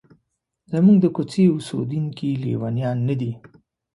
زموږ د کوڅې اوسیدونکي لیونیان نه دي.